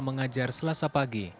mengajar selasa pagi